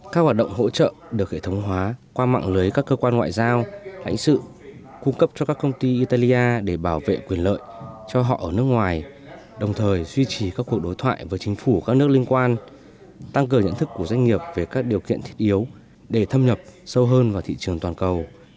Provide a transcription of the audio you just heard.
các hoạt động hỗ trợ được hệ thống hóa qua mạng lưới các cơ quan ngoại giao lãnh sự cung cấp cho các công ty italia để bảo vệ quyền lợi cho họ ở nước ngoài đồng thời duy trì các cuộc đối thoại với chính phủ các nước liên quan tăng cường nhận thức của doanh nghiệp về các điều kiện thiết yếu để thâm nhập sâu hơn vào thị trường toàn cầu